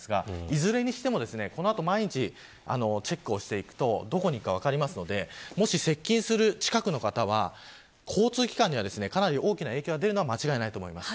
いずれにしても、この後毎日チェックしていくとどこに行くか分かりますのでもし接近する近くの方は交通機関にはかなり大きな影響が出るのは間違いないと思います。